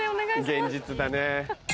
現実だね。